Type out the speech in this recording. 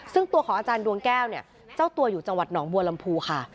ซึ่งตัวของอาจารย์ดวงแก้วเนี่ยเจ้าตัวอยู่จังหวัดหนองบัวลำพูค่ะ